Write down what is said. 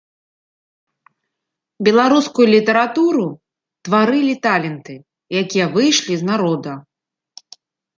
Беларускую літаратуру тварылі таленты, якія выйшлі з народа.